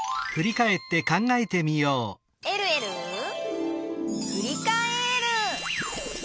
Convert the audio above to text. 「えるえるふりかえる」